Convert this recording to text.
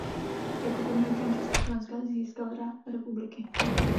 Jako první občan Československa získal Řád republiky.